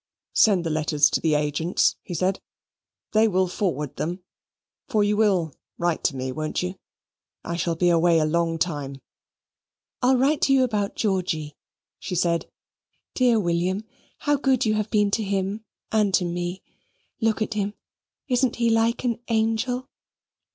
"Send the letters to the agents," he said; "they will forward them; for you will write to me, won't you? I shall be away a long time." "I'll write to you about Georgy," she said. "Dear William, how good you have been to him and to me. Look at him. Isn't he like an angel?"